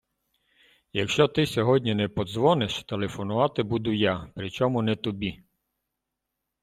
Якщо ти сьогодні не подзвониш, телефонувати буду я. Причому не тобі!